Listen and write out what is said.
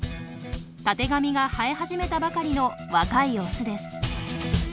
たてがみが生え始めたばかりの若いオスです。